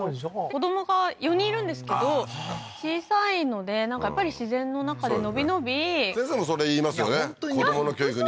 子どもが４人いるんですけど小さいのでなんかやっぱり自然の中でのびのび先生もそれ言いますよねウソ？